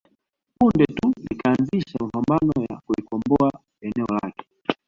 Punde tu ikaanzisha mapambano ya kulikomboa eneo lake